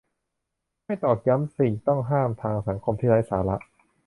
ไม่ตอกย้ำ สิ่งต้องห้ามทางสังคมที่ไร้สาระ